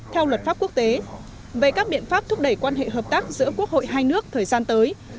theo luật pháp quốc tế về các biện pháp thúc đẩy quan hệ hợp tác giữa quốc hội hai nước thời gian tới